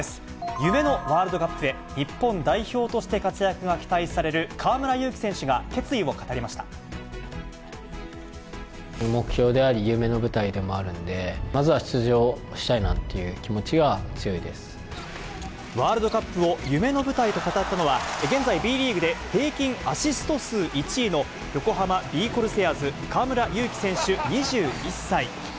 夢のワールドカップへ、日本代表として活躍が期待される河村勇輝選手が、決意を語りまし目標であり、夢の舞台でもあるんで、まずは出場したいなっていう気持ちが強いワールドカップを夢の舞台と語ったのは、現在Ｂリーグで、平均アシスト数１位の横浜ビーコルセアーズ、河村勇輝選手２１歳。